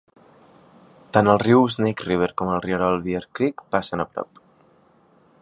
Tant el riu Snake River com el rierol Bear Creek passen a prop.